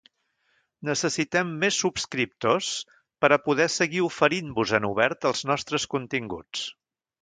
Necessitem més subscriptors, per a poder seguir oferint-vos en obert els nostres continguts.